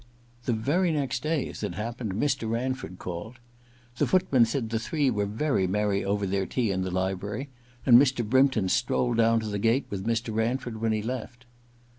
The very next day, as it happened, Mr. Ranford called. The footman said the three were very merry over their tea in the library, and Mr. Brympton strolled down to the gate with Mr. Ranford when he left.